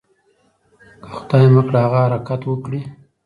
که خدای مه کړه هغه حرکت وکړي.